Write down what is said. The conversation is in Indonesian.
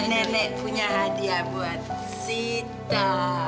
nenek punya hadiah buat sita